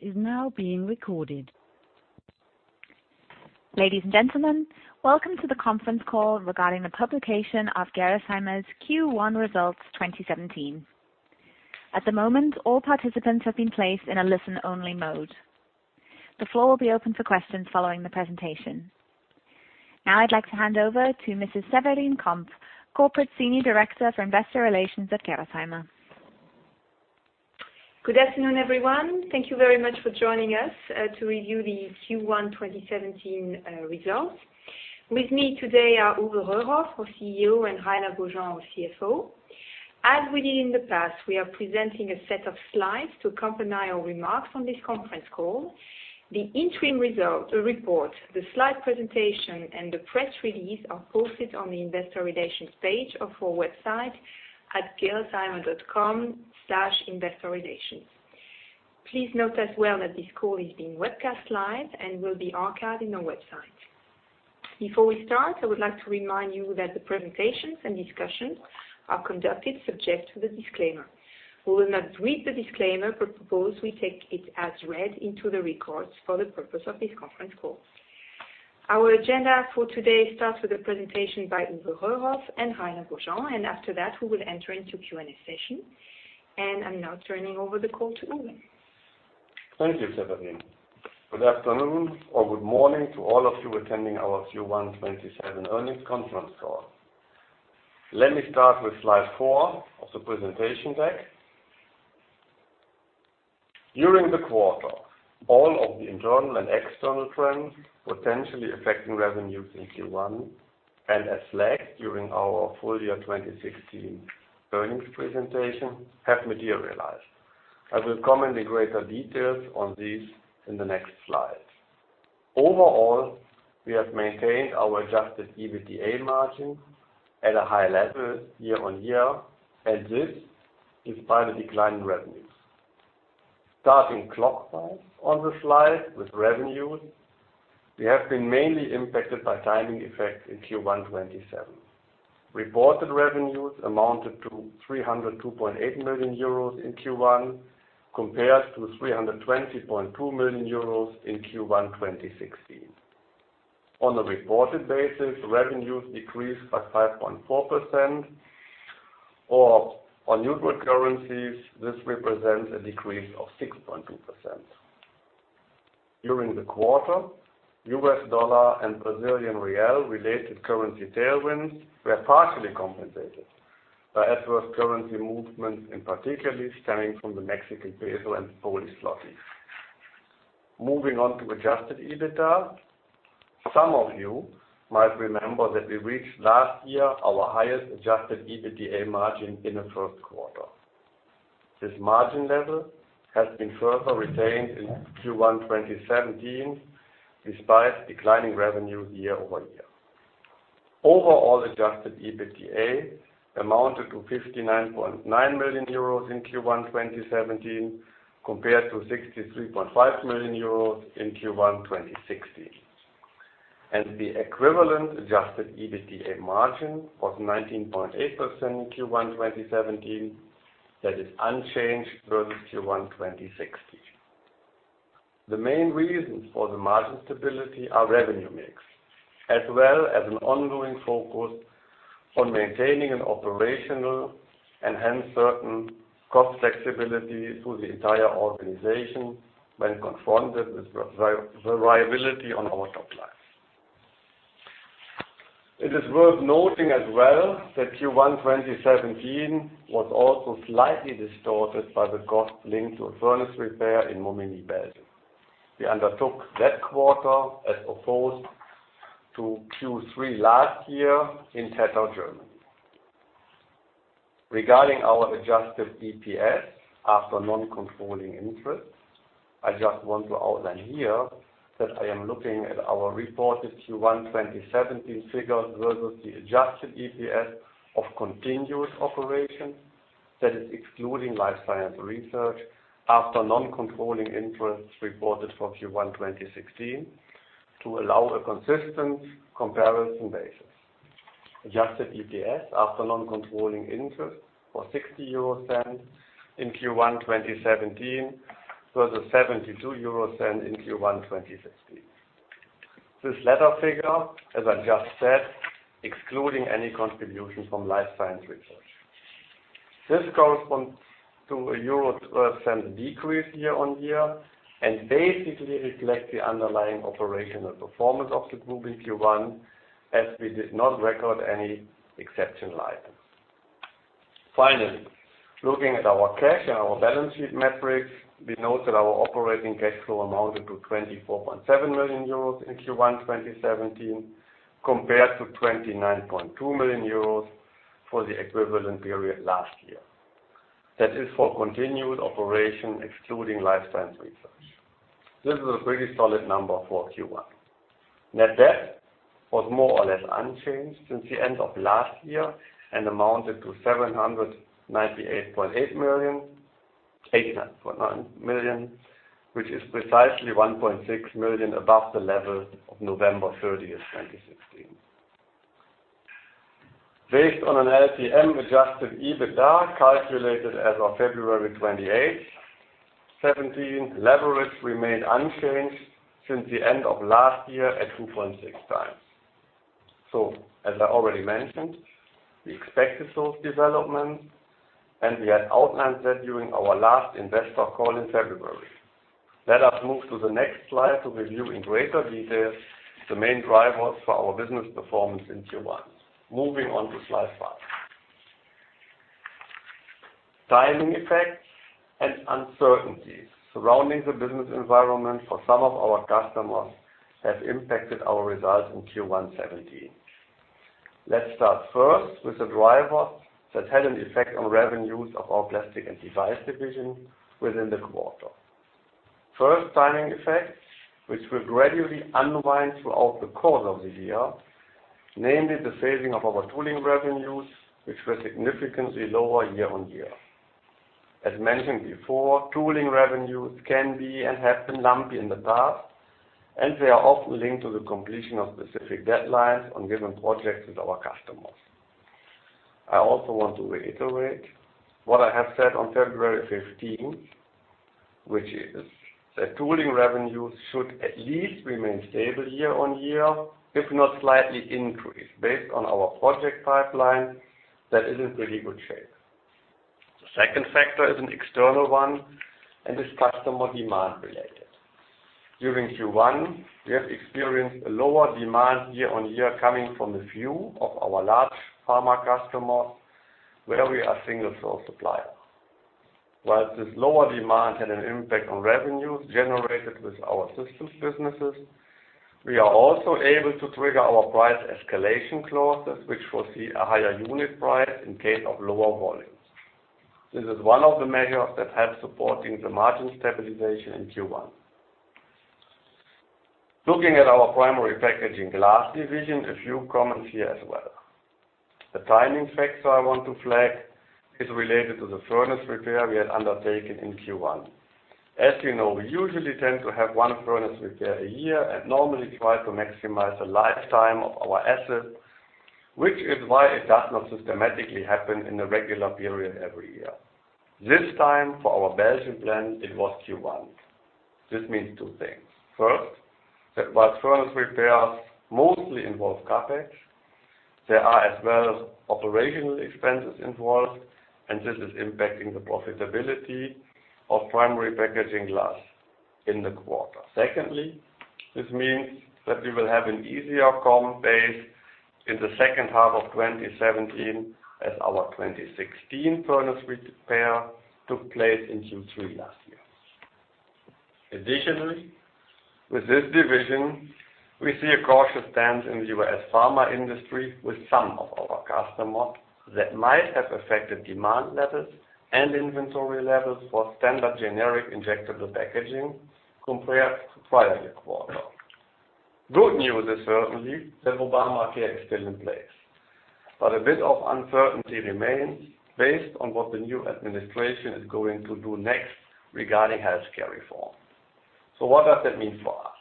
Is now being recorded. Ladies and gentlemen, welcome to the conference call regarding the publication of Gerresheimer's Q1 results 2017. At the moment, all participants have been placed in a listen-only mode. The floor will be open for questions following the presentation. I'd like to hand over to Mrs. Séverine Kamp, Corporate Senior Director for Investor Relations at Gerresheimer. Good afternoon, everyone. Thank you very much for joining us, to review the Q1 2017 results. With me today are Uwe Röhrhoff, our CEO, and Rainer Beaujean, our CFO. As we did in the past, we are presenting a set of slides to accompany our remarks on this conference call. The interim report, the slide presentation, and the press release are posted on the investor relations page of our website at gerresheimer.com/investorrelations. Please note as well that this call is being webcast live and will be archived in our website. Before we start, I would like to remind you that the presentations and discussions are conducted subject to the disclaimer. We suppose we take it as read into the records for the purpose of this conference call. Our agenda for today starts with a presentation by Uwe Röhrhoff and Rainer Beaujean. After that we will enter into Q&A session. I'm now turning over the call to Uwe. Thank you, Séverine. Good afternoon or good morning to all of you attending our Q1 '17 earnings conference call. Let me start with slide four of the presentation deck. During the quarter, all of the internal and external trends potentially affecting revenues in Q1 and as flagged during our full year 2016 earnings presentation have materialized. I will come into greater details on these in the next slide. Overall, we have maintained our Adjusted EBITDA margin at a high level year-over-year. This despite a decline in revenues. Starting clockwise on the slide with revenues, we have been mainly impacted by timing effects in Q1 '17. Reported revenues amounted to 302.8 million euros in Q1 compared to 320.2 million euros in Q1 2016. On a reported basis, revenues decreased by 5.4%. On neutral currencies, this represents a decrease of 6.2%. During the quarter, U.S. dollar and Brazilian real related currency tailwinds were partially compensated by adverse currency movements, particularly stemming from the Mexican peso and Polish zloty. Moving on to Adjusted EBITDA. Some of you might remember that we reached last year our highest Adjusted EBITDA margin in the first quarter. This margin level has been further retained in Q1 2017 despite declining revenue year-over-year. Overall Adjusted EBITDA amounted to 59.9 million euros in Q1 2017 compared to 63.5 million euros in Q1 2016. The equivalent Adjusted EBITDA margin was 19.8% in Q1 2017, that is unchanged versus Q1 2016. The main reasons for the margin stability are revenue mix, as well as an ongoing focus on maintaining an operational and hence certain cost flexibility through the entire organization when confronted with variability on our top line. It is worth noting as well that Q1 2017 was also slightly distorted by the costs linked to a furnace repair in Momignies, Belgium. We undertook that quarter as opposed to Q3 last year in Tettau, Germany. Regarding our Adjusted EPS after non-controlling interest, I just want to outline here that I am looking at our reported Q1 2017 figures versus the Adjusted EPS of continuous operations, that is excluding Life Science Research after non-controlling interests reported for Q1 2016 to allow a consistent comparison basis. Adjusted EPS after non-controlling interest was EUR 0.60 in Q1 2017 versus 0.72 in Q1 2016. This latter figure, as I just said, excluding any contribution from Life Science Research. This corresponds to a EUR 0.12 decrease year-on-year and basically reflects the underlying operational performance of the group in Q1 as we did not record any exceptional items. Finally, looking at our cash and our balance sheet metrics, we note that our operating cash flow amounted to 24.7 million euros in Q1 2017 compared to 29.2 million euros for the equivalent period last year. That is for continued operation excluding Life Science Research. This is a pretty solid number for Q1. Net debt was more or less unchanged since the end of last year and amounted to 798.8 million, which is precisely 1.6 million above the level of November 30th, 2016. Based on an LTM Adjusted EBITDA calculated as of February 28th, 2017, leverage remained unchanged since the end of last year at 2.6 times. As I already mentioned, we expected those developments, and we had outlined that during our last investor call in February. Let us move to the next slide to review in greater detail the main drivers for our business performance in Q1. Moving on to slide five. Timing effects and uncertainties surrounding the business environment for some of our customers have impacted our results in Q1 2017. Let's start first with the driver that had an effect on revenues of our Plastics & Devices division within the quarter. First, timing effect, which will gradually unwind throughout the course of the year, namely the phasing of our tooling revenues, which were significantly lower year-on-year. As mentioned before, tooling revenues can be and have been lumpy in the past, and they are often linked to the completion of specific deadlines on given projects with our customers. I also want to reiterate what I have said on February 15, which is that tooling revenues should at least remain stable year-on-year, if not slightly increased, based on our project pipeline that is in pretty good shape. The second factor is an external one is customer demand related. During Q1, we have experienced a lower demand year-on-year coming from a few of our large pharma customers, where we are single-source supplier. While this lower demand had an impact on revenues generated with our systems businesses, we are also able to trigger our price escalation clauses, which foresee a higher unit price in case of lower volumes. This is one of the measures that helped supporting the margin stabilization in Q1. Looking at our Primary Packaging Glass division, a few comments here as well. The timing factor I want to flag is related to the furnace repair we had undertaken in Q1. As you know, we usually tend to have one furnace repair a year and normally try to maximize the lifetime of our assets, which is why it does not systematically happen in a regular period every year. This time, for our Belgian plant, it was Q1. This means two things. First, that while furnace repairs mostly involve CapEx, there are as well operational expenses involved, and this is impacting the profitability of Primary Packaging Glass in the quarter. Secondly, this means that we will have an easier comp base in the second half of 2017 as our 2016 furnace repair took place in Q3 last year. Additionally, with this division, we see a cautious stance in the U.S. pharma industry with some of our customers that might have affected demand levels and inventory levels for standard generic injectable packaging compared to prior year-quarter. Good news is certainly that Obamacare is still in place, a bit of uncertainty remains based on what the new administration is going to do next regarding healthcare reform. What does that mean for us?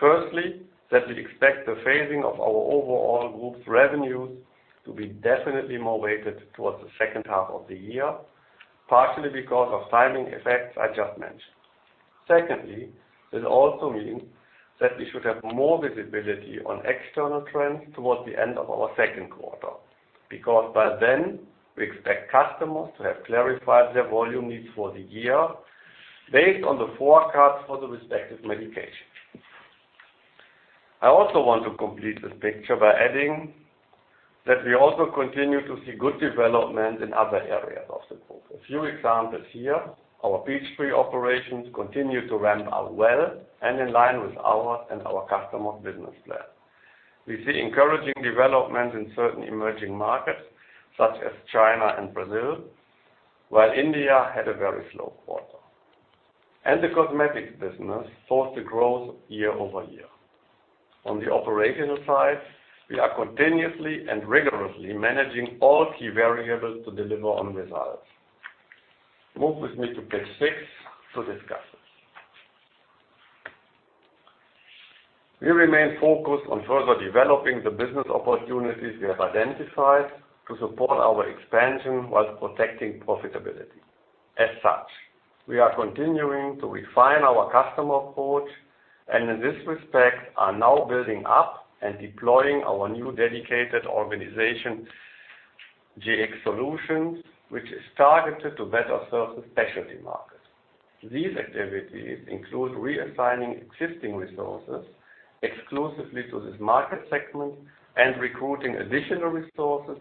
Firstly, that we expect the phasing of our overall group's revenues to be definitely more weighted towards the second half of the year, partially because of timing effects I just mentioned. Secondly, this also means that we should have more visibility on external trends towards the end of our second quarter. By then, we expect customers to have clarified their volume needs for the year based on the forecast for the respective medication. I also want to complete this picture by adding that we also continue to see good development in other areas of the group. A few examples here. Our Peachtree City operations continue to ramp up well and in line with ours and our customers' business plans. We see encouraging developments in certain emerging markets, such as China and Brazil, while India had a very slow quarter. The cosmetics business saw the growth year-over-year. On the operational side, we are continuously and rigorously managing all key variables to deliver on results. Move with me to page six to discuss this. We remain focused on further developing the business opportunities we have identified to support our expansion while protecting profitability. As such, we are continuing to refine our customer approach, and in this respect, are now building up and deploying our new dedicated organization, Gx Solutions, which is targeted to better serve the specialty market. These activities include reassigning existing resources exclusively to this market segment and recruiting additional resources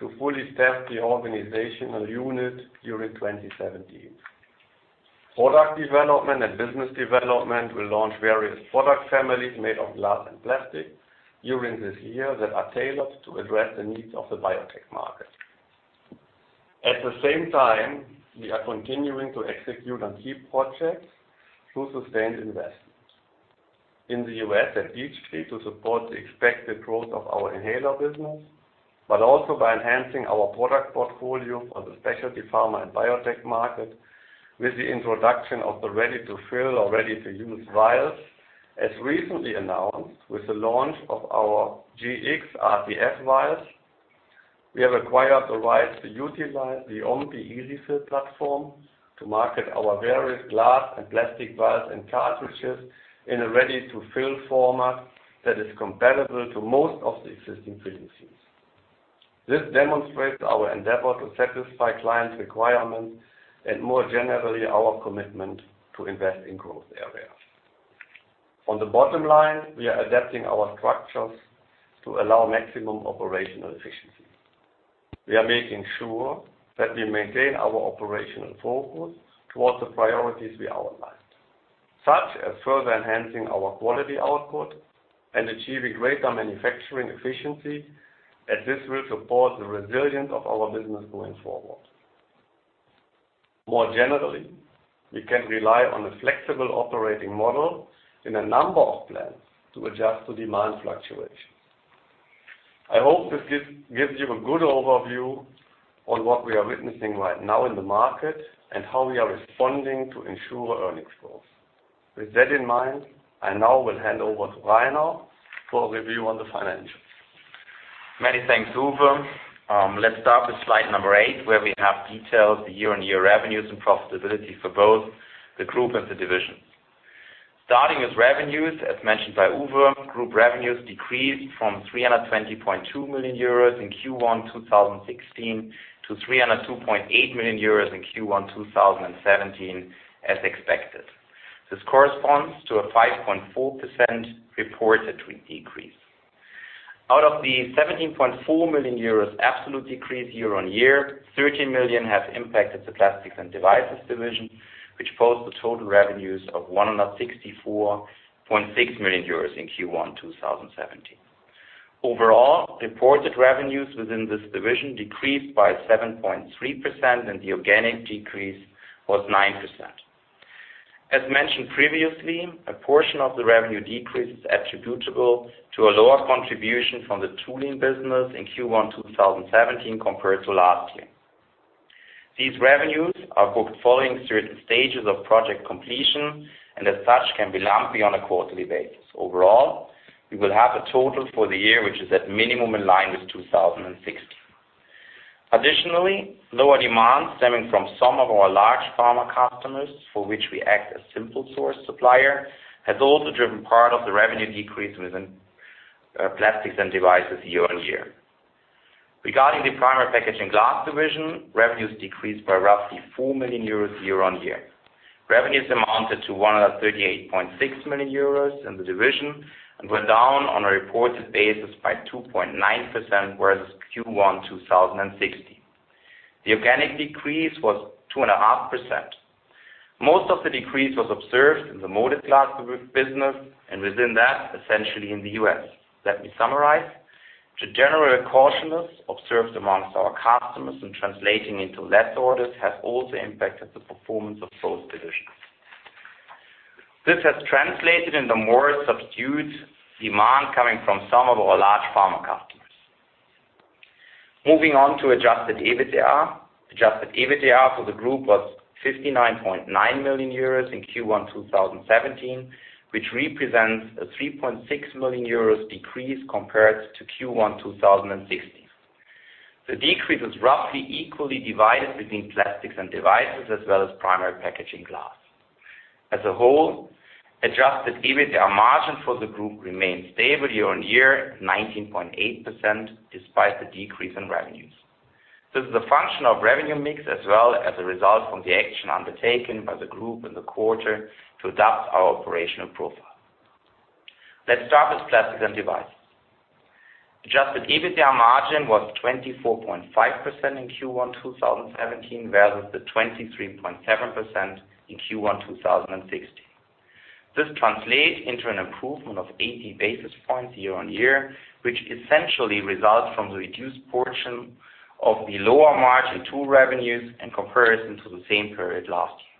to fully staff the organizational unit during 2017. Product development and business development will launch various product families made of glass and plastic during this year that are tailored to address the needs of the biotech market. At the same time, we are continuing to execute on key projects through sustained investment. In the U.S., at Peachtree City, to support the expected growth of our inhaler business, but also by enhancing our product portfolio for the specialty pharma and biotech market with the introduction of the ready-to-fill or ready-to-use vials. As recently announced with the launch of our Gx RTF vials, we have acquired the right to utilize the Ompi EZ-fill platform to market our various glass and plastic vials and cartridges in a ready-to-fill format that is compatible to most of the existing filling sites. This demonstrates our endeavor to satisfy clients' requirements and more generally, our commitment to invest in growth areas. On the bottom line, we are adapting our structures to allow maximum operational efficiency. We are making sure that we maintain our operational focus towards the priorities we outlined, such as further enhancing our quality output and achieving greater manufacturing efficiency, as this will support the resilience of our business going forward. More generally, we can rely on a flexible operating model in a number of plants to adjust to demand fluctuations. I hope this gives you a good overview on what we are witnessing right now in the market and how we are responding to ensure earnings growth. With that in mind, I now will hand over to Rainer for a review on the financials. Many thanks, Uwe. Let's start with slide number eight, where we have detailed the year-on-year revenues and profitability for both the group and the divisions. Starting with revenues, as mentioned by Uwe, group revenues decreased from 320.2 million euros in Q1 2016 to 302.8 million euros in Q1 2017 as expected. This corresponds to a 5.4% reported decrease. Out of the 17.4 million euros absolute decrease year-on-year, 13 million has impacted the Plastics & Devices division, which posted the total revenues of 164.6 million euros in Q1 2017. Overall, reported revenues within this division decreased by 7.3% and the organic decrease was 9%. As mentioned previously, a portion of the revenue decrease is attributable to a lower contribution from the tooling business in Q1 2017 compared to last year. These revenues are booked following certain stages of project completion and as such, can be lumpy on a quarterly basis. Overall, we will have a total for the year, which is at minimum in line with 2016. Additionally, lower demand stemming from some of our large pharma customers, for which we act as single-source supplier, has also driven part of the revenue decrease within Plastics & Devices year-on-year. Regarding the Primary Packaging Glass division, revenues decreased by roughly 4 million euros year-on-year. Revenues amounted to 138.6 million euros in the division and were down on a reported basis by 2.9% versus Q1 2016. The organic decrease was 2.5%. Most of the decrease was observed in the molded glass business, and within that, essentially in the U.S. Let me summarize. The general cautiousness observed amongst our customers in translating into less orders has also impacted the performance of those divisions. This has translated in the more subdued demand coming from some of our large pharma customers. Moving on to Adjusted EBITDA. Adjusted EBITDA for the group was 59.9 million euros in Q1 2017, which represents a 3.6 million euros decrease compared to Q1 2016. The decrease was roughly equally divided between Plastics & Devices as well as Primary Packaging Glass. As a whole, Adjusted EBITDA margin for the group remained stable year-on-year at 19.8% despite the decrease in revenues. This is a function of revenue mix as well as a result from the action undertaken by the group in the quarter to adapt our operational profile. Let's start with Plastics & Devices. Adjusted EBITDA margin was 24.5% in Q1 2017 versus the 23.7% in Q1 2016. This translates into an improvement of 80 basis points year-on-year, which essentially results from the reduced portion of the lower margin tool revenues in comparison to the same period last year.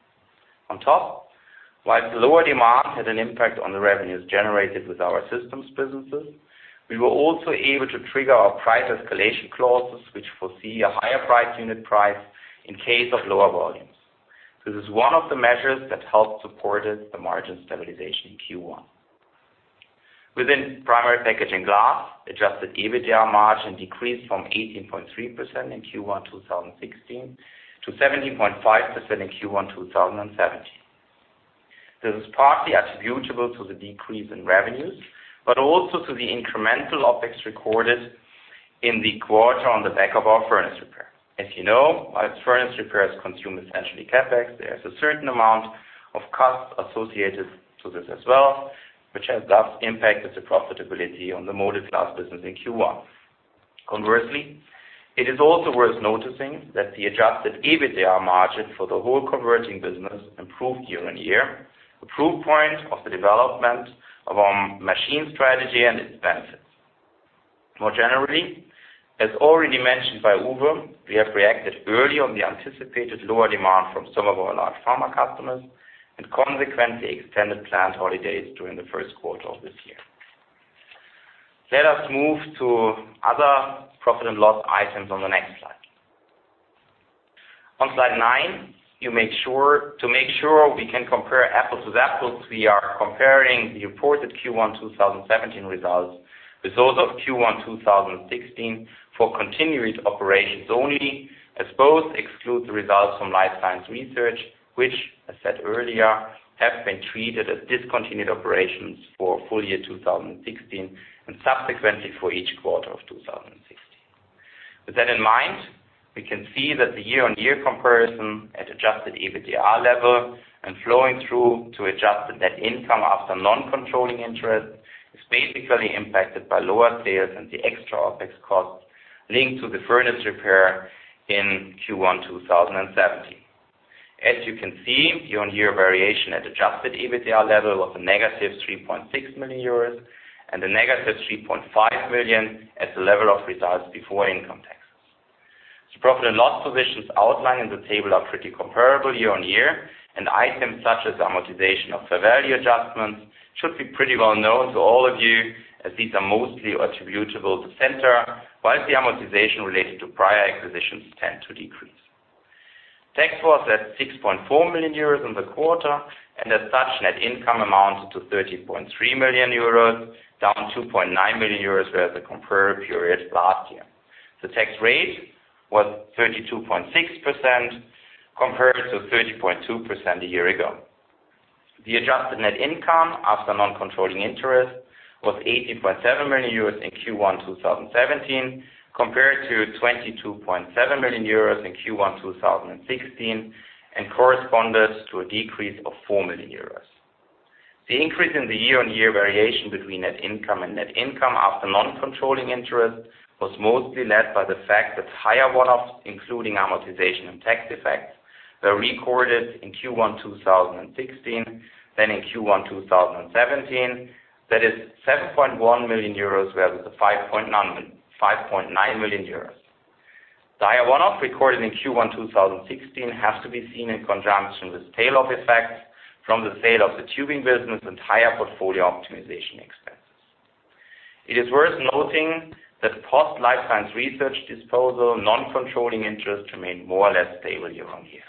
On top, whilst lower demand had an impact on the revenues generated with our systems businesses, we were also able to trigger our price escalation clauses, which foresee a higher price unit price in case of lower volumes. This is one of the measures that helped supported the margin stabilization in Q1. Within Primary Packaging Glass, Adjusted EBITDA margin decreased from 18.3% in Q1 2016 to 17.5% in Q1 2017. This is partly attributable to the decrease in revenues, but also to the incremental OpEx recorded in the quarter on the back of our furnace repair. As you know, furnace repairs consume essentially CapEx. There is a certain amount of costs associated to this as well, which has thus impacted the profitability on the molded glass business in Q1. Conversely, it is also worth noticing that the Adjusted EBITDA margin for the whole converting business improved year-on-year, a proof point of the development of our manufacturing strategy and its benefits. More generally, as already mentioned by Uwe, we have reacted early on the anticipated lower demand from some of our large pharma customers and consequently extended planned holidays during the first quarter of this year. Let us move to other profit and loss items on the next slide. On slide nine, to make sure we can compare apples with apples, we are comparing the reported Q1 2017 results with those of Q1 2016 for continuous operations only, as both exclude the results from Life Science Research, which, as said earlier, have been treated as discontinued operations for full year 2016 and subsequently for each quarter of 2016. With that in mind, we can see that the year-on-year comparison at Adjusted EBITDA level and flowing through to adjusted net income after non-controlling interest, is basically impacted by lower sales and the extra OpEx costs linked to the furnace repair in Q1 2017. As you can see, year-on-year variation at Adjusted EBITDA level was a negative 3.6 million euros and a negative 3.5 million at the level of results before income taxes. Profit and loss positions outlined in the table are pretty comparable year-on-year, and items such as amortization of fair value adjustments should be pretty well known to all of you, as these are mostly attributable to Centor, whilst the amortization related to prior acquisitions tend to decrease. Tax was at 6.4 million euros in the quarter, As such, net income amounted to 30.3 million euros, down 2.9 million euros whereas the compared period last year. The tax rate was 32.6% compared to 30.2% a year ago. The adjusted net income after non-controlling interest was 18.7 million euros in Q1 2017, compared to 22.7 million euros in Q1 2016, corresponded to a decrease of 4 million euros. The increase in the year-on-year variation between net income and net income after non-controlling interest was mostly led by the fact that higher one-offs, including amortization and tax effects, were recorded in Q1 2016 than in Q1 2017. That is 7.1 million euros, whereas the 5.9 million euros. The higher one-off recorded in Q1 2016 have to be seen in conjunction with tail off effects from the sale of the tubing business and higher portfolio optimization expenses. It is worth noting that post Life Science Research disposal, non-controlling interests remain more or less stable year-on-year.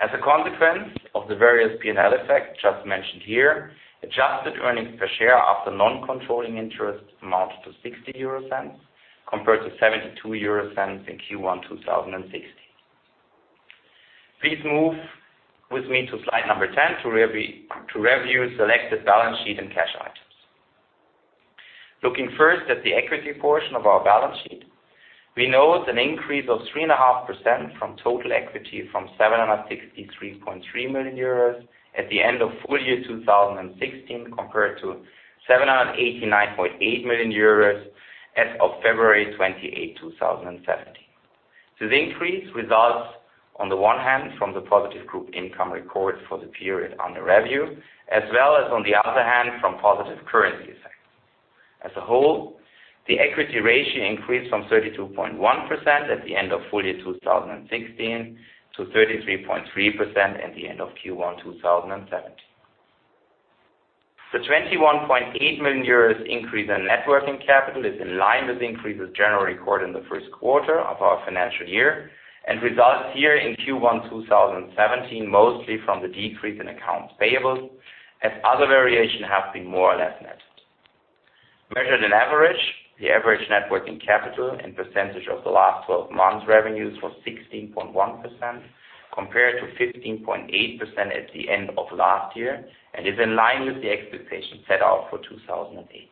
As a consequence of the various P&L effects just mentioned here, Adjusted earnings per share after non-controlling interest amounted to 0.60 compared to 0.72 in Q1 2016. Please move with me to slide number 10 to review selected balance sheet and cash items. Looking first at the equity portion of our balance sheet, we note an increase of 3.5% from total equity from 763.3 million euros at the end of full year 2016, compared to 789.8 million euros as of February 28, 2017. The increase results, on the one hand, from the positive group income record for the period under review, as well as, on the other hand, from positive currency effects. As a whole, the equity ratio increased from 32.1% at the end of full year 2016 to 33.3% at the end of Q1 2017. The 21.8 million euros increase in net working capital is in line with increases generally recorded in the first quarter of our financial year and results here in Q1 2017, mostly from the decrease in accounts payables as other variation have been more or less net. Measured on average, the average net working capital and percentage of the last 12 months revenues was 16.1% compared to 15.8% at the end of last year and is in line with the expectations set out for 2018.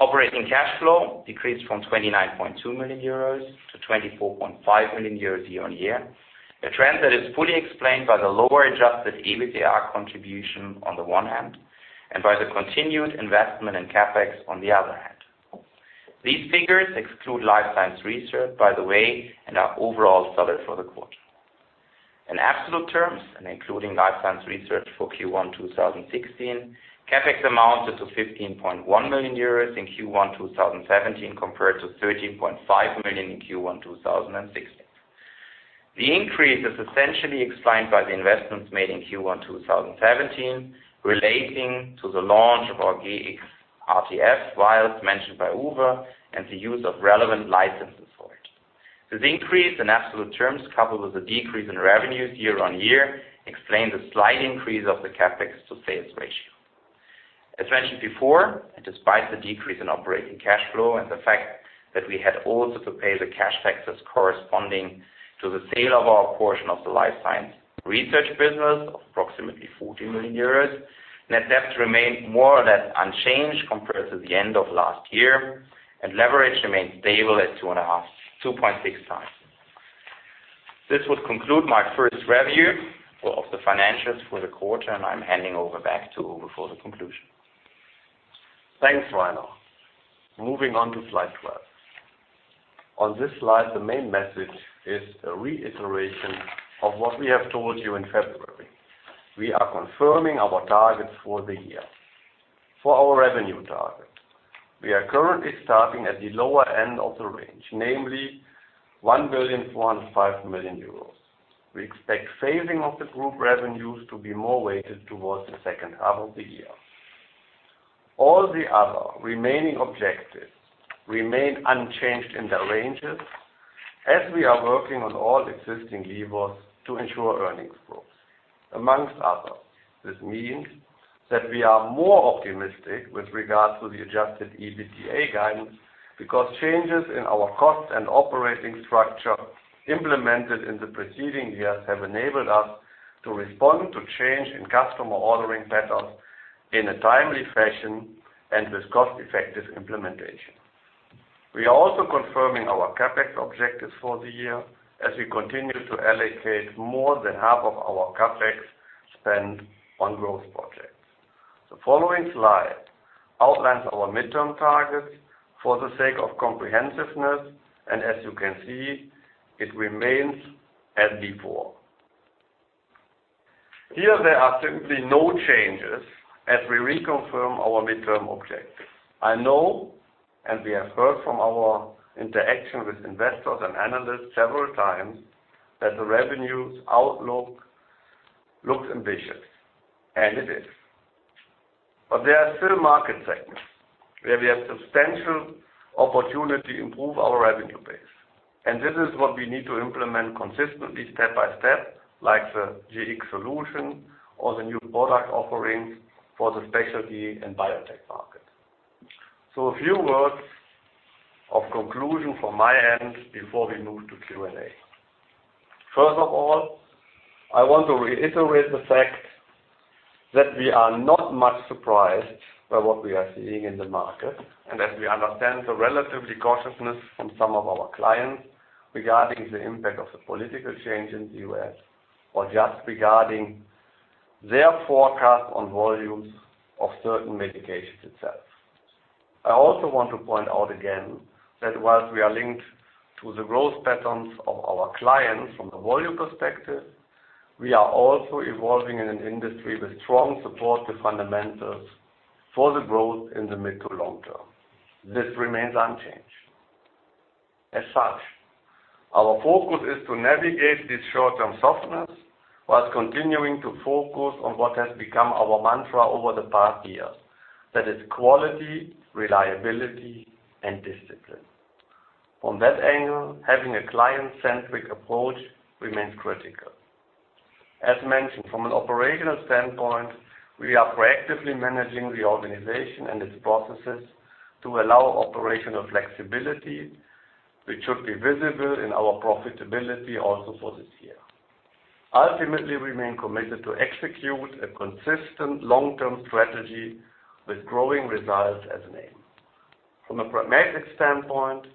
Operating cash flow decreased from 29.2 million euros to 24.5 million euros year-on-year, a trend that is fully explained by the lower Adjusted EBITDA contribution on the one hand, and by the continued investment in CapEx on the other hand. These figures exclude Life Science Research, by the way, and are overall solid for the quarter. In absolute terms, and including Life Science Research for Q1 2016, CapEx amounted to €15.1 million in Q1 2017, compared to €13.5 million in Q1 2016. The increase is essentially explained by the investments made in Q1 2017 relating to the launch of our Gx RTF vials mentioned by Uwe and the use of relevant licenses for it. This increase, in absolute terms, coupled with a decrease in revenues year-on-year, explain the slight increase of the CapEx to sales ratio. As mentioned before, and despite the decrease in operating cash flow and the fact that we had also to pay the cash taxes corresponding to the sale of our portion of the Life Science Research business of approximately €40 million, net debt remained more or less unchanged compared to the end of last year, and leverage remained stable at 2.6 times. This would conclude my first review of the financials for the quarter. I'm handing over back to Uwe for the conclusion. Thanks, Rainer. Moving on to slide 12. On this slide, the main message is a reiteration of what we have told you in February. We are confirming our targets for the year. For our revenue target, we are currently starting at the lower end of the range, namely €1,405 million. We expect phasing of the group revenues to be more weighted towards the second half of the year. All the other remaining objectives remain unchanged in their ranges as we are working on all existing levers to ensure earnings growth. Amongst others, this means that we are more optimistic with regards to the Adjusted EBITDA guidance, because changes in our cost and operating structure implemented in the preceding years have enabled us to respond to change in customer ordering patterns in a timely fashion and with cost-effective implementation. We are also confirming our CapEx objectives for the year, as we continue to allocate more than half of our CapEx spend on growth projects. The following slide outlines our midterm targets for the sake of comprehensiveness. As you can see, it remains as before. Here there are simply no changes as we reconfirm our midterm objectives. I know, we have heard from our interaction with investors and analysts several times, that the revenues outlook looks ambitious, and it is. There are still market segments where we have substantial opportunity to improve our revenue base, and this is what we need to implement consistently step by step, like the Gx Solution or the new product offerings for the specialty and biotech market. A few words of conclusion from my end before we move to Q&A. First of all, I want to reiterate the fact that we are not much surprised by what we are seeing in the market, that we understand the relatively cautiousness from some of our clients regarding the impact of the political change in the U.S., or just regarding their forecast on volumes of certain medications itself. I also want to point out again that whilst we are linked to the growth patterns of our clients from the volume perspective, we are also evolving in an industry with strong supportive fundamentals for the growth in the mid to long term. This remains unchanged. As such, our focus is to navigate this short-term softness whilst continuing to focus on what has become our mantra over the past years. That is quality, reliability, and discipline. From that angle, having a client-centric approach remains critical. As mentioned, from an operational standpoint, we are proactively managing the organization and its processes to allow operational flexibility, which should be visible in our profitability also for this year. Ultimately, we remain committed to execute a consistent long-term strategy with growing results as an aim. From a pragmatic standpoint,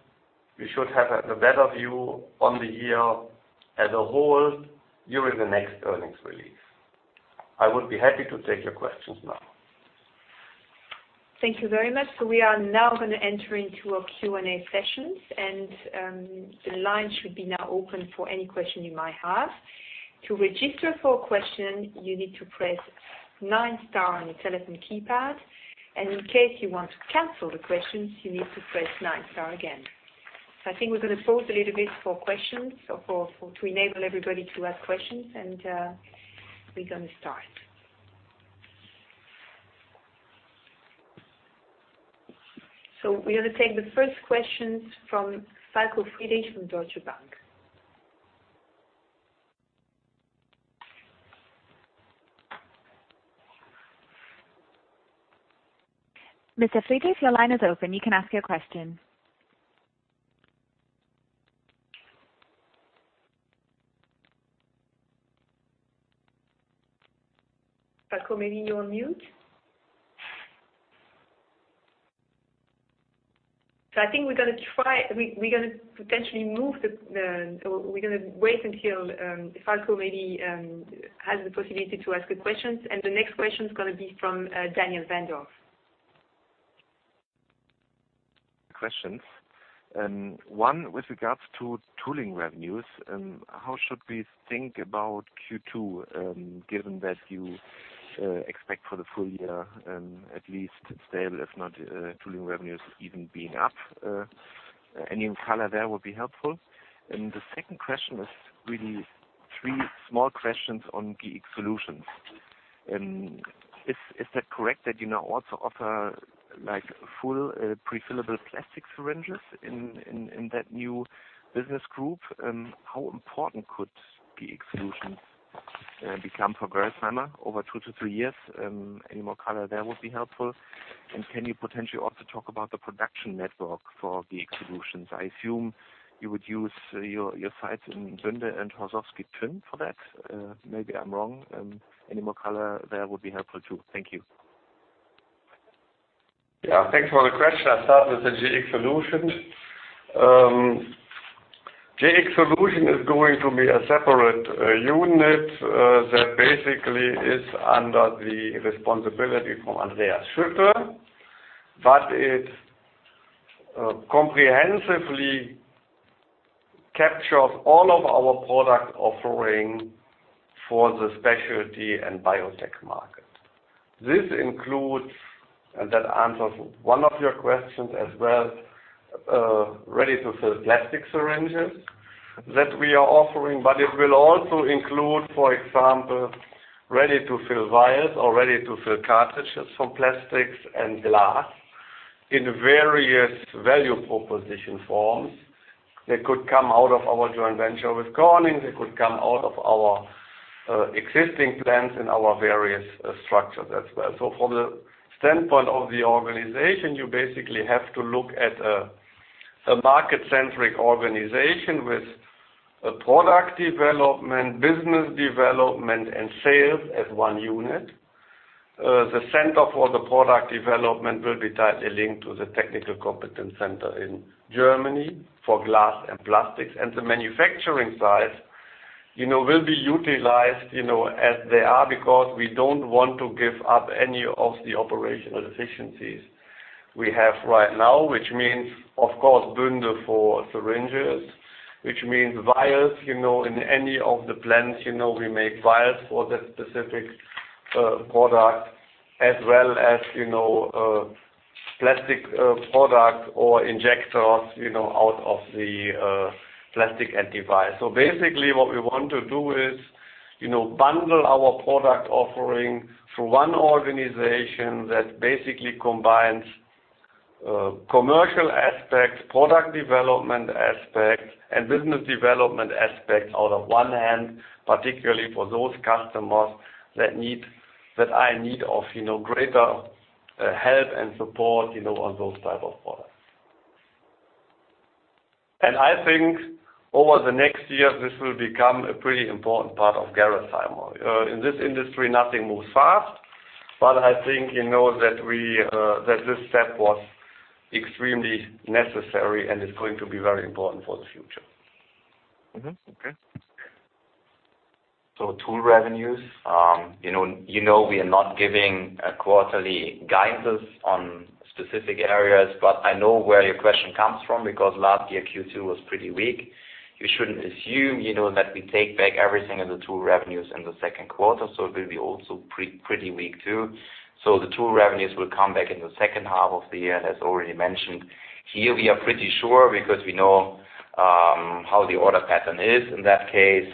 we should have a better view on the year as a whole during the next earnings release. I would be happy to take your questions now. Thank you very much. We are now going to enter into our Q&A sessions, the line should be now open for any question you might have. To register for a question, you need to press nine star on your telephone keypad, in case you want to cancel the questions, you need to press nine star again. I think we're going to pause a little bit for questions or to enable everybody to ask questions, we're going to start. We're going to take the first questions from Falko Friedrichs from Deutsche Bank. Mr. Friedrichs, your line is open. You can ask your question. Falko, maybe you're on mute. I think we're going to wait until Falko maybe has the possibility to ask a question, and the next question is going to be from Daniel Wendorff. Questions. One. With regards to tooling revenues, how should we think about Q2, given that you expect for the full year, at least stable, if not tooling revenues even being up? Any color there would be helpful. The second question is really three small questions on Gx Solutions. Is that correct that you now also offer full prefillable plastic syringes in that new business group? How important could Gx Solutions become for Gerresheimer over two to three years? Any more color there would be helpful. Can you potentially also talk about the production network for Gx Solutions? I assume you would use your sites in Bünde and Chorzów for that. Maybe I'm wrong. Any more color there would be helpful, too. Thank you. Yeah. Thanks for the question. I'll start with the Gx Solutions. Gx Solutions is going to be a separate unit that basically is under the responsibility from Andreas Schlüter, but it comprehensively captures all of our product offering for the specialty and biotech market. This includes, and that answers one of your questions as well, ready-to-fill plastic syringes that we are offering, but it will also include, for example, ready-to-fill vials or ready-to-fill cartridges from plastics and glass in various value proposition forms that could come out of our joint venture with Corning. They could come out of our existing plants in our various structures as well. From the standpoint of the organization, you basically have to look at a market-centric organization with a product development, business development, and sales as one unit. The center for the product development will be tightly linked to the technical competence center in Germany for glass and plastics. The manufacturing side will be utilized as they are because we don't want to give up any of the operational efficiencies we have right now, which means, of course, Bünde for syringes, which means vials, in any of the plants, we make vials for that specific product as well as plastic product or injectors out of the Plastics & Devices. Basically what we want to do is bundle our product offering through one organization that basically combines commercial aspects, product development aspects, and business development aspects out of one hand, particularly for those customers that are in need of greater help and support on those type of products. I think over the next years, this will become a pretty important part of Gerresheimer. In this industry, nothing moves fast, but I think that this step was extremely necessary and it's going to be very important for the future. Mm-hmm. Okay. Tool revenues. You know we are not giving quarterly guidances on specific areas, but I know where your question comes from because last year Q2 was pretty weak. You shouldn't assume that we take back everything in the tool revenues in the second quarter, so it will be also pretty weak too. The tool revenues will come back in the second half of the year, as already mentioned. Here, we are pretty sure because we know how the order pattern is in that case.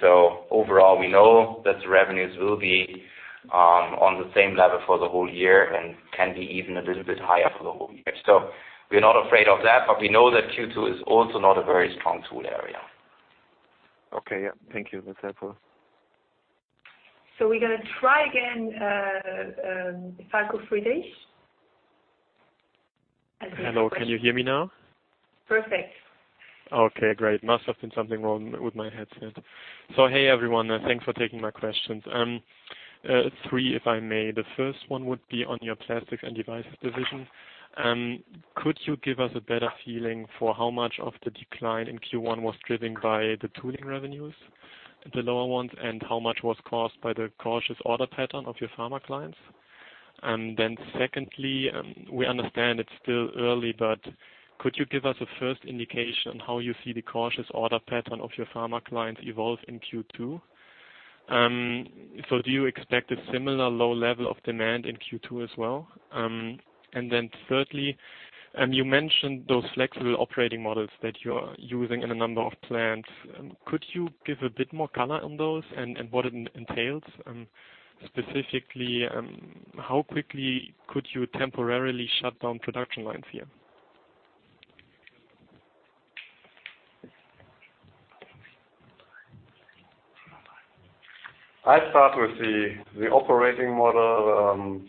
Overall, we know that the revenues will be on the same level for the whole year and can be even a little bit higher for the whole year. We are not afraid of that, but we know that Q2 is also not a very strong tool area. Okay. Yeah. Thank you. That's helpful. We're going to try again, Falko Friedrichs. Hello, can you hear me now? Perfect. Okay, great. Must have been something wrong with my headset. Hey, everyone. Thanks for taking my questions. Three, if I may. The first one would be on your Plastics & Devices division. Could you give us a better feeling for how much of the decline in Q1 was driven by the tooling revenues, the lower ones, and how much was caused by the cautious order pattern of your pharma clients? Secondly, we understand it's still early, but could you give us a first indication how you see the cautious order pattern of your pharma clients evolve in Q2? Do you expect a similar low level of demand in Q2 as well? Thirdly, you mentioned those flexible operating models that you are using in a number of plants. Could you give a bit more color on those and what it entails? Specifically, how quickly could you temporarily shut down production lines here? I start with the operating model.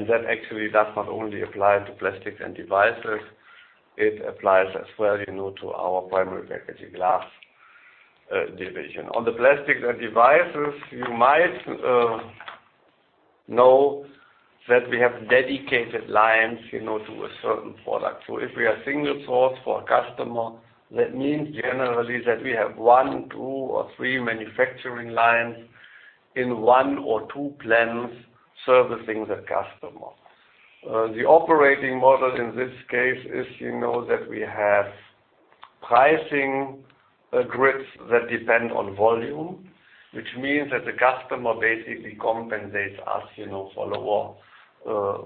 That actually does not only apply to Plastics & Devices, it applies as well to our Primary Packaging Glass. On the Plastics & Devices, you might know that we have dedicated lines to a certain product. If we are single-source for a customer, that means generally that we have one, two, or three manufacturing lines in one or two plants servicing that customer. The operating model in this case is that we have pricing grids that depend on volume, which means that the customer basically compensates us for lower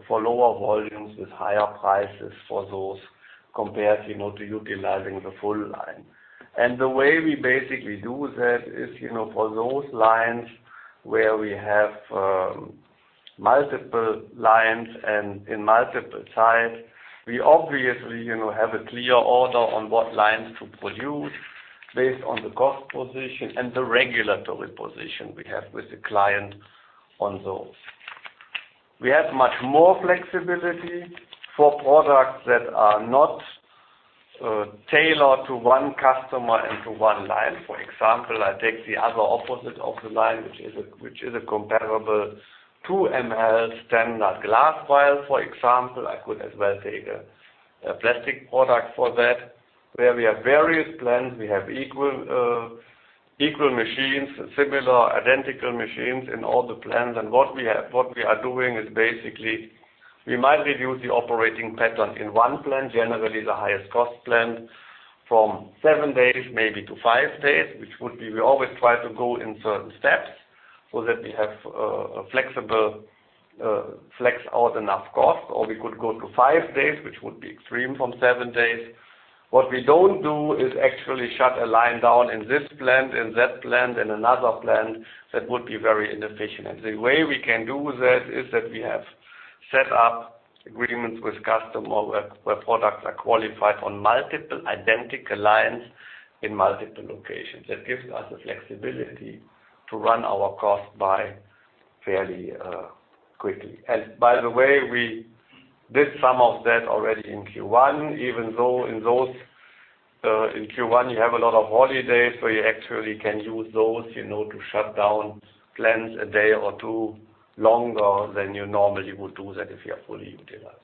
volumes with higher prices for those compared to utilizing the full line. The way we basically do that is for those lines where we have multiple lines and in multiple sites, we obviously have a clear order on what lines to produce based on the cost position and the regulatory position we have with the client on those. We have much more flexibility for products that are not tailored to one customer and to one line. For example, I take the other opposite of the line, which is a comparable 2 ml standard glass vial. For example, I could as well take a plastic product for that, where we have various plants. We have equal machines, similar, identical machines in all the plants. What we are doing is basically, we might reduce the operating pattern in one plant, generally the highest cost plant, from seven days maybe to five days, which would be we always try to go in certain steps. That we have a flexible flex out enough cost, or we could go to five days, which would be extreme from seven days. What we don't do is actually shut a line down in this plant, in that plant, in another plant. That would be very inefficient. The way we can do that is that we have set up agreements with customer where products are qualified on multiple identical lines in multiple locations. That gives us the flexibility to run our cost by fairly quickly. By the way, we did some of that already in Q1, even though in Q1, you have a lot of holidays, you actually can use those to shut down plants a day or two longer than you normally would do that if you are fully utilized.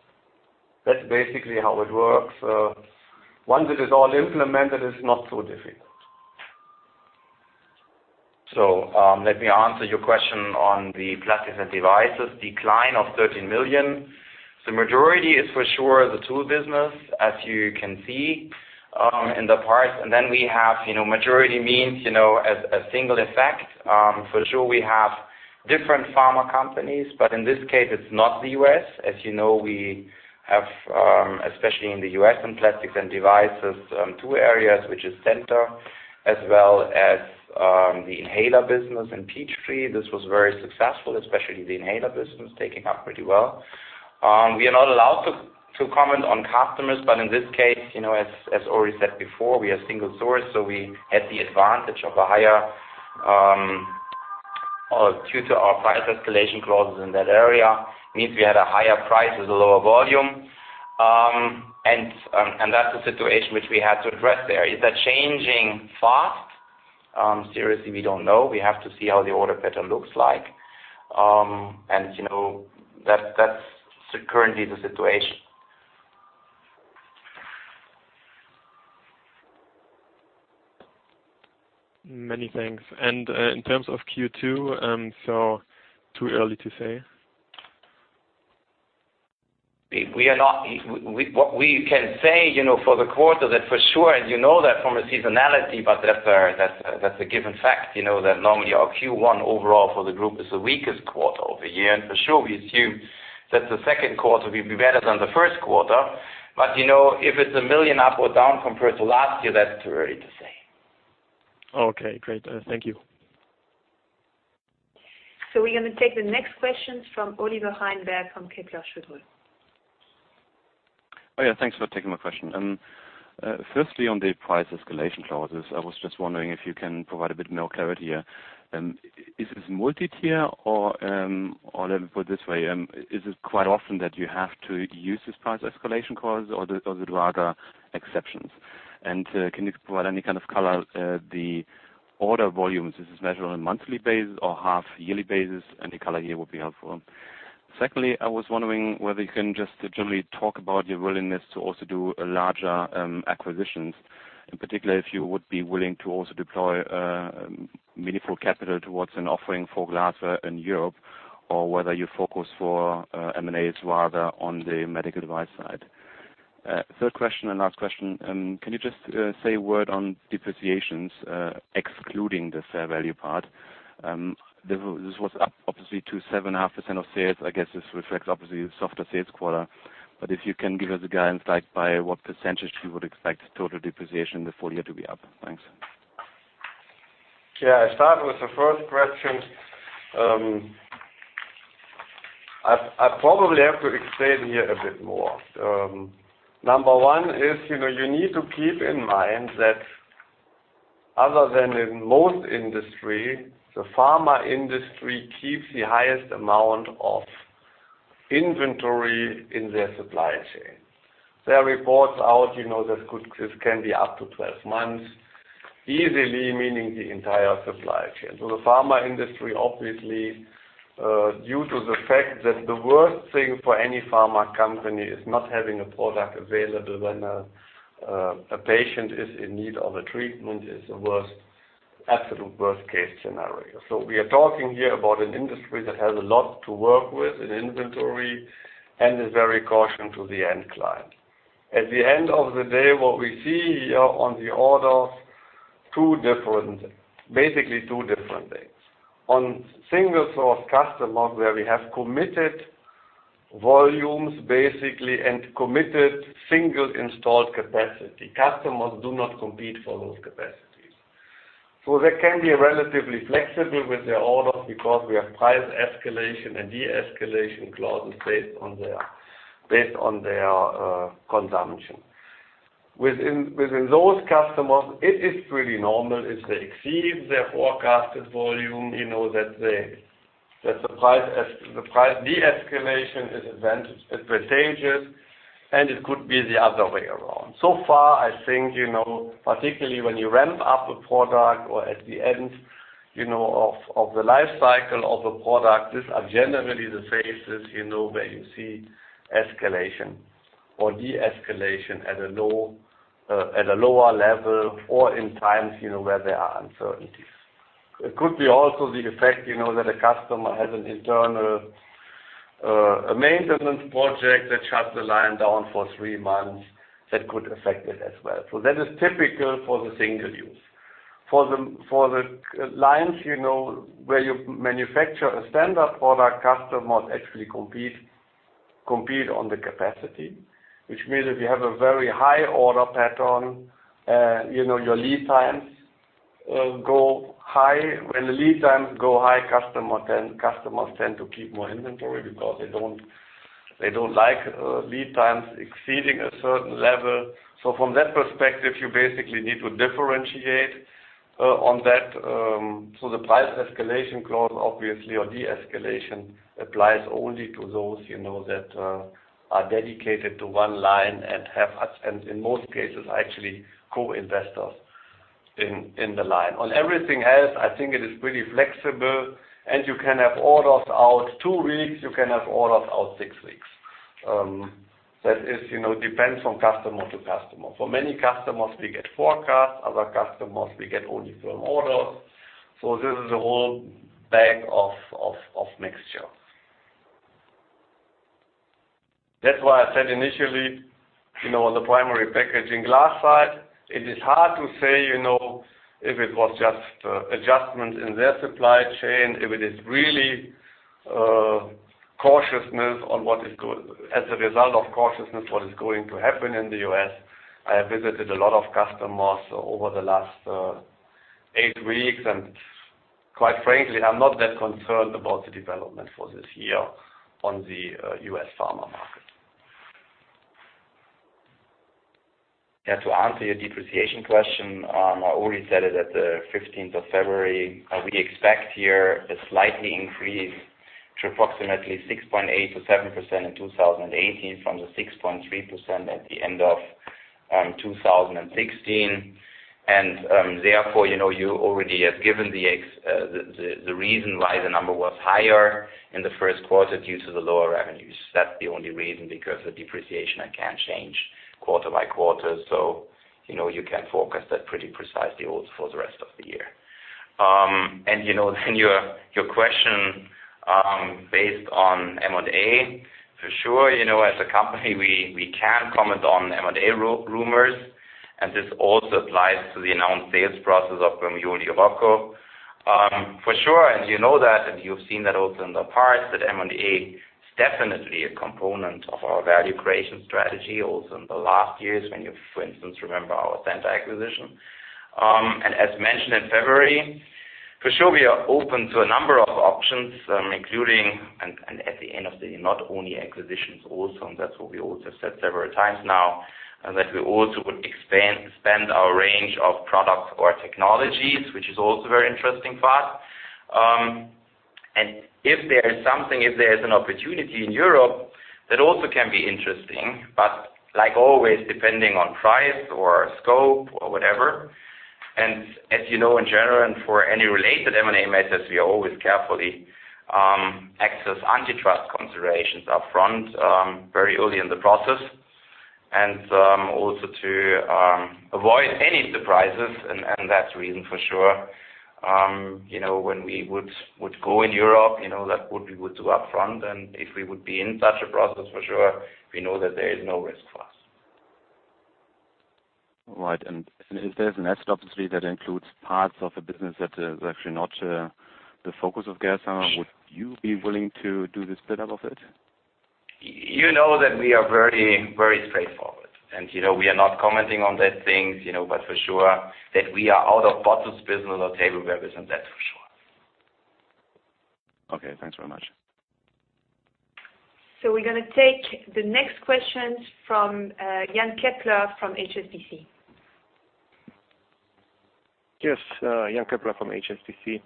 That's basically how it works. Once it is all implemented, it's not so difficult. Let me answer your question on the Plastics & Devices decline of 13 million. The majority is for sure the tool business, as you can see in the parts. We have majority means, a single effect. For sure, we have different pharma companies, but in this case, it's not the U.S. As you know, we have, especially in the U.S., in Plastics & Devices, two areas, which is Centor as well as the inhaler business in Peachtree. This was very successful, especially the inhaler business, taking up pretty well. We are not allowed to comment on customers, but in this case, as already said before, we are single-source, so we had the advantage of a higher or due to our price escalation clauses in that area, means we had a higher price with a lower volume. That's the situation which we had to address there. Is that changing fast? Seriously, we don't know. We have to see how the order pattern looks like. That's currently the situation. Many thanks. In terms of Q2, too early to say? What we can say, for the quarter, that for sure, you know that from a seasonality, but that's a given fact, that normally our Q1 overall for the group is the weakest quarter of the year. For sure, we assume that the second quarter will be better than the first quarter. If it's 1 million up or down compared to last year, that's too early to say. Okay, great. Thank you. We're going to take the next questions from Olivier Calvet from Kepler Cheuvreux. Yeah. Thanks for taking my question. Firstly, on the price escalation clauses, I was just wondering if you can provide a bit more clarity here. Is this multi-tier or let me put it this way, is it quite often that you have to use this price escalation clause or is it rather exceptions? Can you provide any kind of color, the order volumes, is this measured on a monthly basis or half-yearly basis? Any color here would be helpful. Secondly, I was wondering whether you can just generally talk about your willingness to also do larger acquisitions. In particular, if you would be willing to also deploy meaningful capital towards an offering for glass in Europe, or whether you focus for M&As rather on the medical device side. Third question and last question, can you just say a word on depreciations, excluding the fair value part? This was up obviously to 7.5% of sales. I guess this reflects obviously a softer sales quarter. If you can give us a guidance by what percentage you would expect total depreciation the full year to be up. Thanks. Yeah. I start with the first question. I probably have to explain here a bit more. Number one is, you need to keep in mind that other than in most industry, the pharma industry keeps the highest amount of inventory in their supply chain. Their reports out, this can be up to 12 months easily, meaning the entire supply chain. The pharma industry, obviously, due to the fact that the worst thing for any pharma company is not having a product available when a patient is in need of a treatment, is the absolute worst case scenario. We are talking here about an industry that has a lot to work with in inventory and is very cautious with the end client. At the end of the day, what we see here on the orders, basically two different things. On single-source customers, where we have committed volumes, basically, and committed single installed capacity. Customers do not compete for those capacities. They can be relatively flexible with their orders because we have price escalation and de-escalation clauses based on their consumption. Within those customers, it is pretty normal if they exceed their forecasted volume, that the price de-escalation is advantageous, and it could be the other way around. I think, particularly when you ramp up a product or at the end of the life cycle of a product, these are generally the phases where you see escalation or de-escalation at a lower level or in times where there are uncertainties. It could be also the effect that a customer has an internal A maintenance project that shuts the line down for three months, that could affect it as well. That is typical for the single use. For the lines where you manufacture a standard product, customers actually compete on the capacity, which means if you have a very high order pattern, your lead times go high. When the lead times go high, customers tend to keep more inventory because they don't like lead times exceeding a certain level. From that perspective, you basically need to differentiate on that. The price escalation clause, obviously, or de-escalation, applies only to those that are dedicated to one line and have, and in most cases, are actually co-investors in the line. On everything else, I think it is pretty flexible and you can have orders out two weeks, you can have orders out six weeks. That depends from customer to customer. For many customers, we get forecasts. Other customers, we get only firm orders. This is a whole bag of mixture. That's why I said initially, on the Primary Packaging Glass side, it is hard to say if it was just adjustments in their supply chain, if it is really as a result of cautiousness, what is going to happen in the U.S. I have visited a lot of customers over the last eight weeks, and quite frankly, I'm not that concerned about the development for this year on the U.S. pharma market. Yeah. To answer your depreciation question, I already said it at the 15th of February, we expect here a slight increase to approximately 6.8%-7% in 2018 from the 6.3% at the end of 2016. Therefore, you already have given the reason why the number was higher in the first quarter due to the lower revenues. That's the only reason, because the depreciation I can't change quarter by quarter. You can forecast that pretty precisely also for the rest of the year. Your question based on M&A, for sure, as a company, we can comment on M&A rumors, and this also applies to the announced sales process of Bemis and Aroco. For sure, you know that and you've seen that also in the past, that M&A is definitely a component of our value creation strategy also in the last years when you, for instance, remember our Centor acquisition. As mentioned in February, for sure, we are open to a number of options, including, and at the end of the, not only acquisitions also, and that's what we also said several times now, that we also would expand our range of products or technologies, which is also a very interesting part. If there is something, if there is an opportunity in Europe, that also can be interesting. Like always depending on price or scope or whatever. As you know, in general, and for any related M&A matters, we always carefully access antitrust considerations up front, very early in the process. Also to avoid any surprises and that's the reason for sure. When we would go in Europe, that would be what to upfront and if we would be in such a process, for sure, we know that there is no risk for us. Right. If there's an asset, obviously, that includes parts of a business that is actually not the focus of Gerresheimer, would you be willing to do the split up of it? You know that we are very straightforward and we are not commenting on that things. For sure that we are out of bottles business or tableware, and that's for sure. Okay. Thanks very much. We're going to take the next questions from Jan Keppeler from HSBC. Yes. Jan Keppeler from HSBC.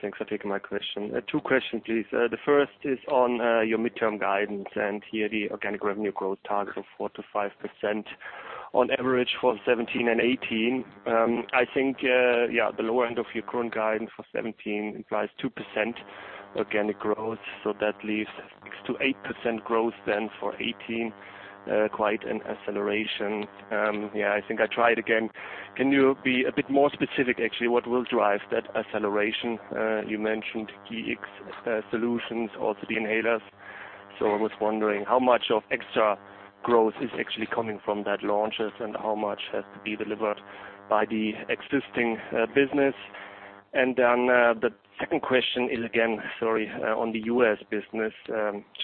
Thanks for taking my question. Two questions, please. The first is on your midterm guidance and here the organic revenue growth target of 4%-5% on average for 2017 and 2018. I think, yeah, the lower end of your current guidance for 2017 implies 2% organic growth. That leaves 6%-8% growth then for 2018. Quite an acceleration. Yeah, I think I try it again. Can you be a bit more specific actually what will drive that acceleration? You mentioned Gx Solutions, also the inhalers. I was wondering how much of extra growth is actually coming from that launches and how much has to be delivered by the existing business. The second question is again, sorry, on the U.S. business,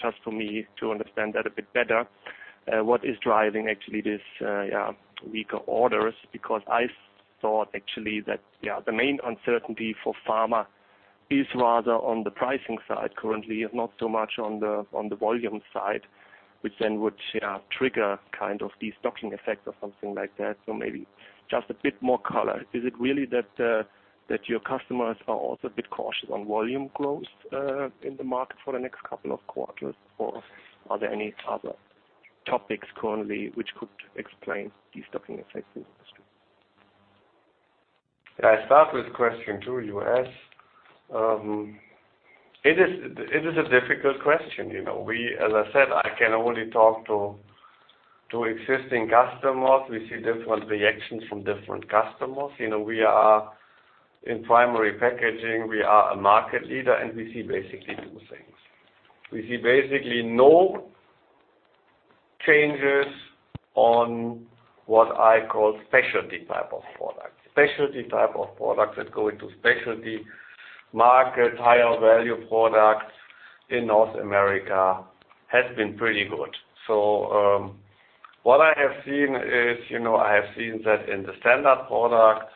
just for me to understand that a bit better. What is driving actually this weaker orders? I thought actually that, the main uncertainty for pharma is rather on the pricing side currently and not so much on the volume side, which would trigger a de-stocking effect or something like that. Maybe just a bit more color. Is it really that your customers are also a bit cautious on volume growth in the market for the next couple of quarters? Are there any other topics currently which could explain de-stocking effects in the industry? I start with question two, U.S. It is a difficult question. As I said, I can only talk to existing customers, we see different reactions from different customers. In primary packaging, we are a market leader. We see basically two things. We see basically no changes on what I call specialty type of products. Specialty type of products that go into specialty market, higher value products in North America has been pretty good. What I have seen is, I have seen that in the standard products,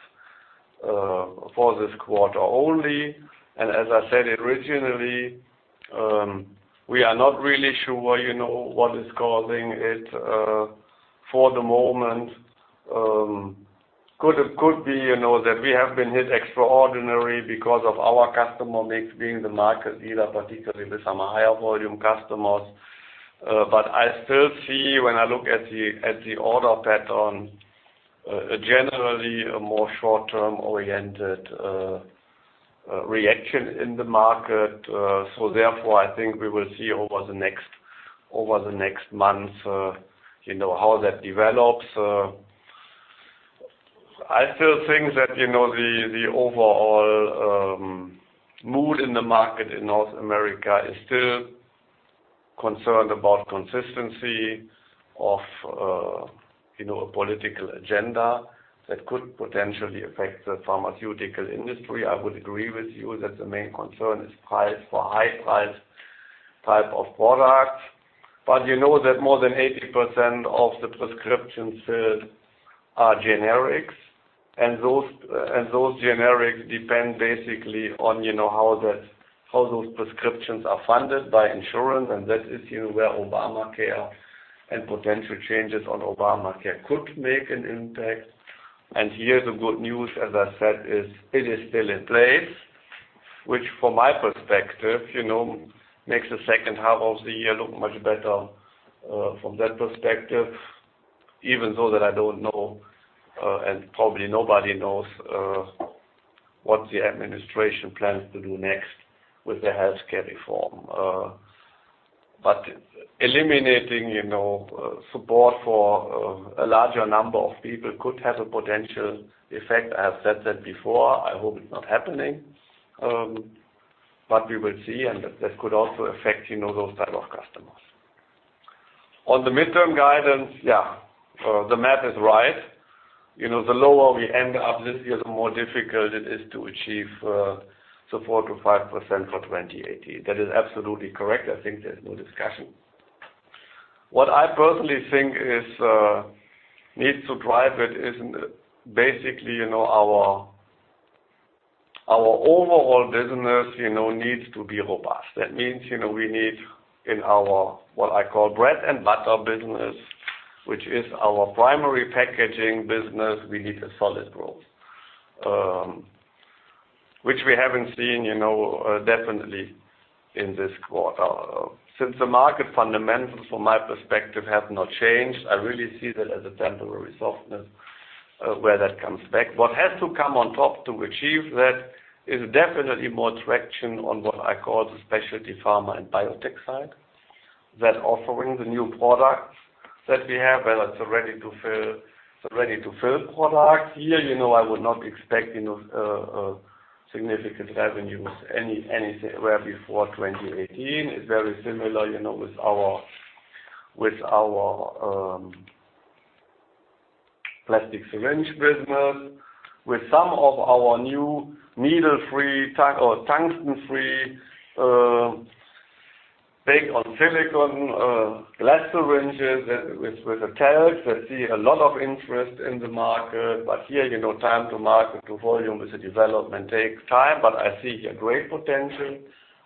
for this quarter only, and as I said originally, we are not really sure what is causing it for the moment. Could be, that we have been hit extraordinary because of our customer mix being the market leader, particularly with some higher volume customers. I still see when I look at the order pattern, generally a more short-term oriented reaction in the market. Therefore, I think we will see over the next month how that develops. I still think that the overall mood in the market in North America is still concerned about consistency of a political agenda that could potentially affect the pharmaceutical industry. I would agree with you that the main concern is price for high price type of products. You know that more than 80% of the prescriptions filled are generics, and those generics depend basically on how those prescriptions are funded by insurance, and that is where Obamacare and potential changes on Obamacare could make an impact. Here, the good news, as I said, is it is still in place, which from my perspective, makes the second half of the year look much better, from that perspective, even though that I don't know, and probably nobody knows what the administration plans to do next with the healthcare reform. Eliminating support for a larger number of people could have a potential effect. I have said that before. I hope it's not happening. We will see, and that could also affect those type of customers. On the midterm guidance. The math is right. The lower we end up this year, the more difficult it is to achieve the 4%-5% for 2018. That is absolutely correct. I think there's no discussion. What I personally think needs to drive it is basically, our overall business needs to be robust. That means we need in our, what I call bread and butter business, which is our Primary Packaging Glass business, we need a solid growth. We haven't seen definitely in this quarter. The market fundamentals from my perspective have not changed, I really see that as a temporary softness where that comes back. What has to come on top to achieve that is definitely more traction on what I call the specialty pharma and biotech side. Offering the new products that we have, whether it's a ready-to-fill product. Here, I would not expect significant revenues anywhere before 2018. It's very similar with our plastic syringe business, with some of our new needle-free or tungsten-free, based on silicone glass syringes with the tags. I see a lot of interest in the market. Here, time to market to volume as a development takes time, but I see a great potential.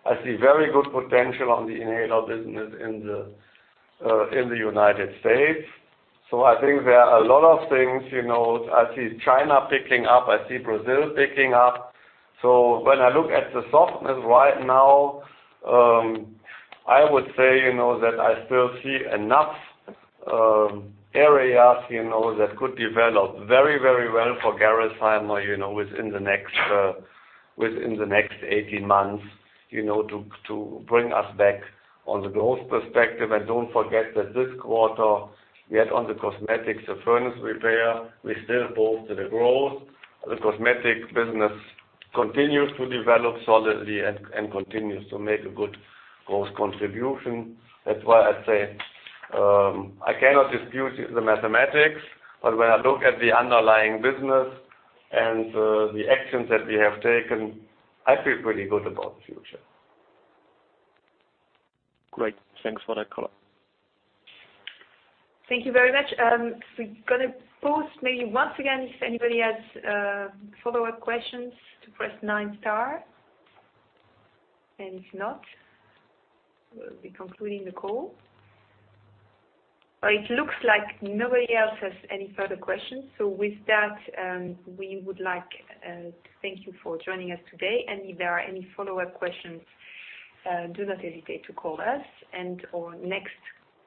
I see very good potential on the inhaler business in the U.S. I think there are a lot of things. I see China picking up. I see Brazil picking up. When I look at the softness right now, I would say that I still see enough areas that could develop very well for Gerresheimer within the next 18 months to bring us back on the growth perspective. Don't forget that this quarter, we had on the cosmetics, the furnace repair, we still posted a growth. The cosmetic business continues to develop solidly and continues to make a good growth contribution. That's why I say, I cannot dispute the mathematics. When I look at the underlying business and the actions that we have taken, I feel pretty good about the future. Great. Thanks for that call. Thank you very much. We're going to pause maybe once again, if anybody has follow-up questions to press 9 star. If not, we'll be concluding the call. It looks like nobody else has any further questions. With that, we would like to thank you for joining us today. If there are any follow-up questions, do not hesitate to call us, and our next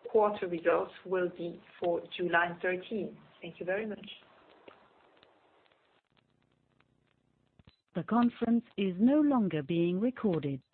quarter results will be for July 13th. Thank you very much. The conference is no longer being recorded.